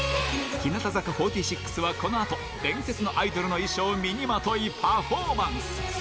日向坂４６はこのあと、伝説のアイドルの衣装を身にまとい、パフォーマンス。